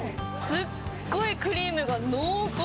すっごいクリームが濃厚。